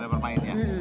dari para pemainnya